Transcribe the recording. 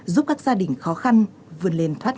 giúp các gia đình khó khăn vươn lên thoát